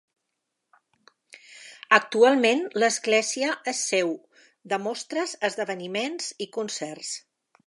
Actualment l'església és seu de mostres, esdeveniments i concerts.